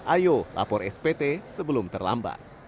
ayo lapor spt sebelum terlambat